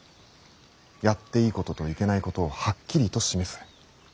やっていいことといけないことをはっきりと示す。